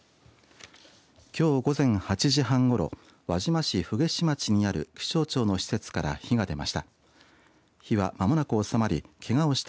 きょう午前８時半ごろ輪島市鳳至町にある気象庁の施設から火が出ました。